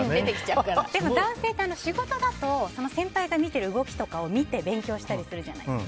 でも男性って仕事だと先輩が見ている動きとかを見て勉強したりするじゃないですか。